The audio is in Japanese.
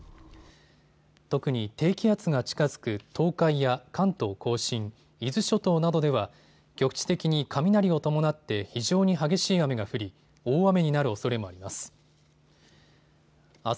特に低気圧が近づく東海や関東甲信、伊豆諸島などでは局地的に雷を伴って非常に激しい雨が降り大雨になるおそれもあります。